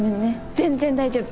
全然大丈夫！